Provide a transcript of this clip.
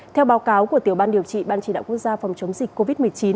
theo báo cáo của tiểu ban điều trị ban chỉ đạo quốc gia phòng chống dịch covid một mươi chín